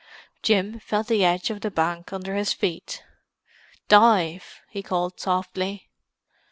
Jim felt the edge of the bank under his feet. "Dive!" he called softly.